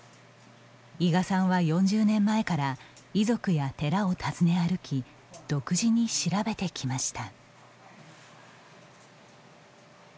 伊賀さんは４０年前から遺族や寺を訪ね歩き独自に調べてきました。